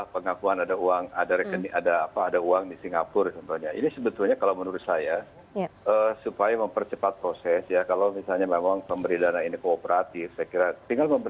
perbincangan kita dengan dua orang narasumber